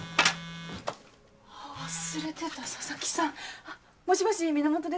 忘れてた佐々木さんもしもし皆本です。